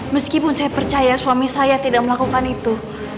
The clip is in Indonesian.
meskipun saya percaya suami saya tidak melakukan itu